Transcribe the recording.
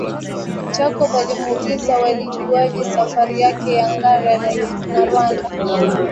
Jacob alimuuliza walijuaje safari yake ya Ngara na Rwanda